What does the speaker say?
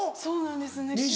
そうなんですね。